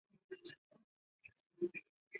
半边莲属桔梗科半边莲属。